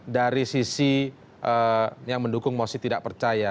dari sisi yang mendukung mosi tidak percaya